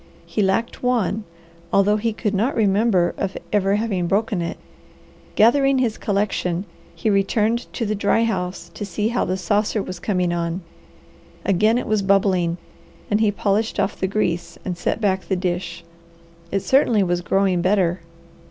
He lacked one, although he could not remember of ever having broken it. Gathering his collection, he returned to the dry house to see how the saucer was coming on. Again it was bubbling, and he polished off the grease and set back the dish. It certainly was growing better.